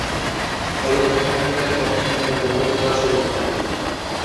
তবে, দক্ষিণ আফ্রিকার পক্ষে নিয়মিতভাবে খেলার সুযোগ পাননি।